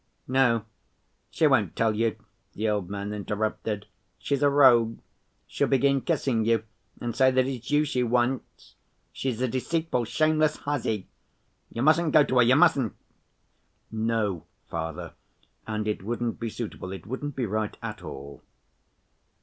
"No, she won't tell you," the old man interrupted, "she's a rogue. She'll begin kissing you and say that it's you she wants. She's a deceitful, shameless hussy. You mustn't go to her, you mustn't!" "No, father, and it wouldn't be suitable, it wouldn't be right at all."